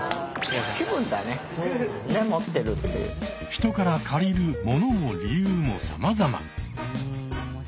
人から借りる「もの」も「理由」もさまざま。